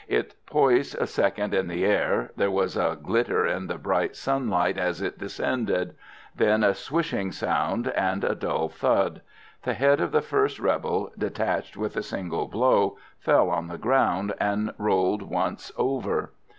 It poised a second in the air; there was a glitter in the bright sunlight as it descended; then a swishing sound and a dull thud. The head of the first rebel, detached with a single blow, fell on the ground and rolled once over.